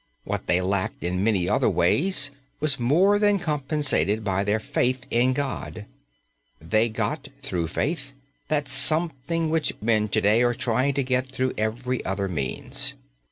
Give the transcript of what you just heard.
What they lacked in many other ways was more than compensated by their faith in God. They got, through faith, "that something" which men to day are trying to get through every other means.